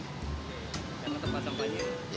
yang tempat sampahnya